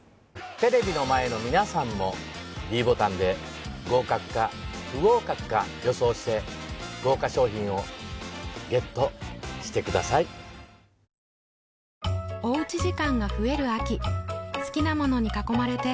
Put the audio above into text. テレビの前の皆さんもｄボタンで合格か不合格か予想して豪華賞品をＧＥＴしてくださいんー！